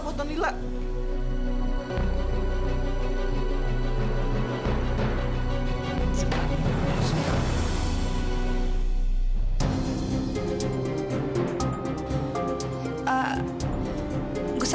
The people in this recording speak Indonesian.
sebelumnya dia nggak bisa